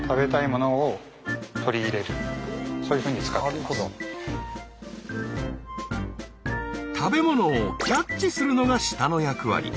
言うなれば食べ物をキャッチするのが舌の役割。